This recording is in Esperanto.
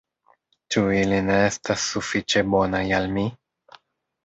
Ĉu ili ne estas sufiĉe bonaj al mi?